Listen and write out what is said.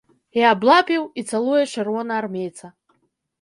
І аблапіў, і цалуе чырвонаармейца.